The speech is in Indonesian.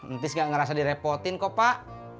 entis gak ngerasa direpotin kok pak